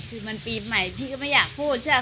คือมันปีใหม่พี่ก็ไม่อยากพูดใช่ไหม